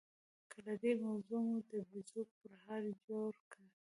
له دې موضوع مو د بيزو پرهار جوړ کړ.